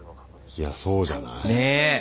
いやそうじゃない？ねえ？